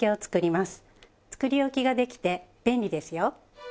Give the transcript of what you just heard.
作り置きができて便利ですよ。